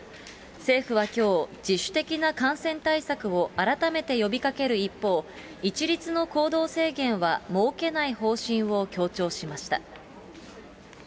政府はきょう、自主的な感染対策を改めて呼びかける一方、一律の行動制限は設けない方針を強調しました。